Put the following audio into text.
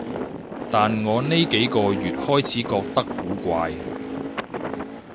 但我呢幾個月開始覺得古怪